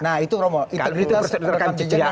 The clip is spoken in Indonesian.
nah itu romo integritas rekam jejak